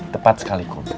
tepat sekali kum